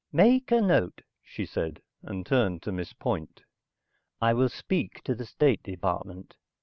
"Make a note," she said and turned to Miss Point. "I will speak to the State Department.